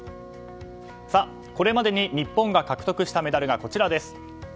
これまでに日本が獲得したメダルがこちらです。